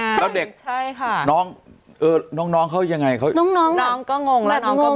ใช่ค่ะน้องเออน้องน้องเขายังไงเขาน้องน้องน้องก็งงแล้วน้องก็บ่น